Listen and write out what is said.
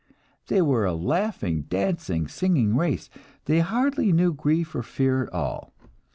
They were a laughing, dancing, singing race. They hardly knew grief or fear at all.